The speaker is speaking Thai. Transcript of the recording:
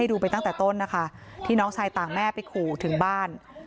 ดูไปตั้งแต่ต้นนะคะที่น้องชายต่างแม่ไปขู่ถึงบ้าน